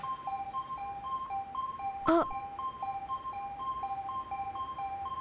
あっ！